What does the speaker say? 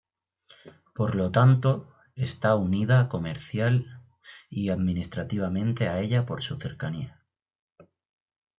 Por lo tanto, está unida comercial y administrativamente a ella por su cercanía.